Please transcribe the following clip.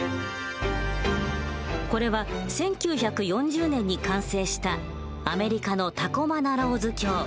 これは１９４０年に完成したアメリカのタコマナローズ橋。